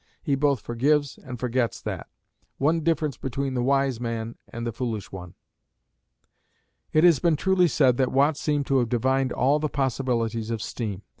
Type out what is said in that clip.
He both forgives and forgets that. One difference between the wise man and the foolish one! It has been truly said that Watt seemed to have divined all the possibilities of steam.